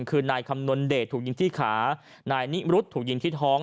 คือนายคำนวณเดชถูกยิงที่ขานายนิมรุษถูกยิงที่ท้อง